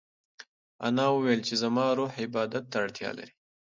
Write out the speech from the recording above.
انا وویل چې زما روح عبادت ته اړتیا لري.